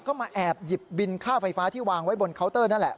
ก็มาแอบหยิบบินค่าไฟฟ้าที่วางไว้บนเคาน์เตอร์นั่นแหละ